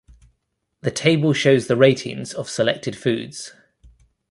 The table shows the ratings of selected foods.